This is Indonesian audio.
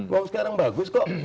uang sekarang bagus kok